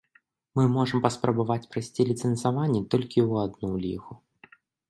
Мы можам паспрабаваць прайсці ліцэнзаванне толькі ў адну лігу.